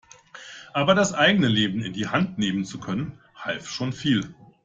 Aber das eigene Leben in die Hand nehmen zu können, half schon viel.